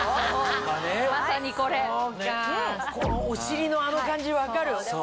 お尻のあの感じ分かる。